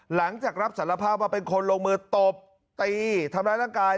หลังจากรับสารภาพว่าเป็นคนลงมือตบตีทำร้ายร่างกาย